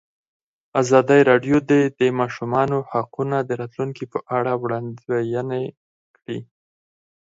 ازادي راډیو د د ماشومانو حقونه د راتلونکې په اړه وړاندوینې کړې.